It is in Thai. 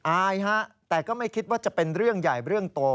อายฮะแต่ก็ไม่คิดว่าจะเป็นเรื่องใหญ่เรื่องโต